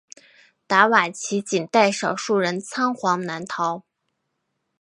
达瓦齐仅带少数人仓皇南逃。